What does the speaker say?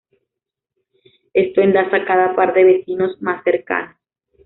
Esto enlaza cada par de vecinos más cercanos.